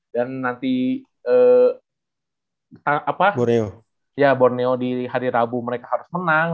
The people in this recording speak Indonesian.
dan nanti borneo di hari rabu mereka harus menang